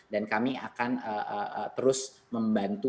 dan kami akan terus membantu